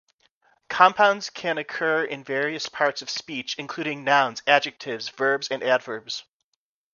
Compounds can occur in various parts of speech, including nouns, adjectives, verbs, and adverbs.